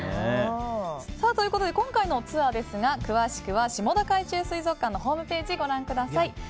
今回のツアーですが詳しくは下田海中水族館のホームページをご覧ください。